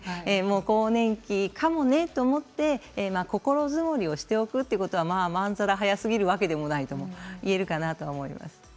更年期かもねということで心づもりをしておくということはまんざら早すぎるというわけではないと思います。